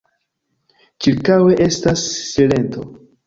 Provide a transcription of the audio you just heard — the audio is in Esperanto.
Ĉirkaŭe estas silento.